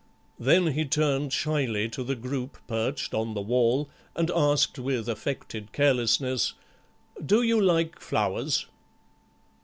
Then he turned shyly to the group perched on the wall and asked with affected carelessness, "Do you like flowers?"